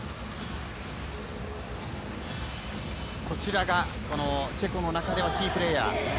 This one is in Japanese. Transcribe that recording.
こちらが、チェコの中ではキープレーヤー。